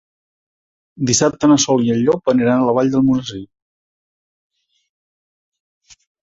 Dissabte na Sol i en Llop aniran a la Vall d'Almonesir.